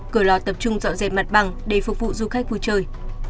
cửa lò tập trung dọn dẹp mặt bằng để phục vụ du khách vui chơi